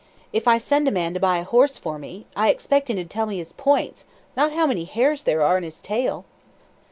If I send a man to buy a horse for me, I expect him to tell me his points, not how many hairs there are in his tail!"